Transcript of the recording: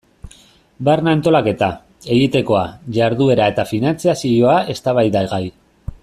Barne antolaketa, egitekoa, jarduera eta finantzazioa eztabaidagai.